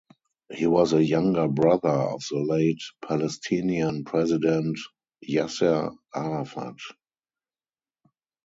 He was a younger brother of the late Palestinian president Yasser Arafat.